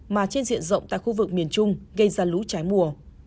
mà trên diện rộng tại khu vực miền trung gây ra lũ trái mùa